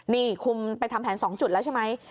นี่คุมไปทำแผน๒จุดแล้วใช่ไหม